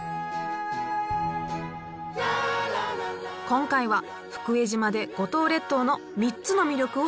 今回は福江島で五島列島の３つの魅力を探っていきます。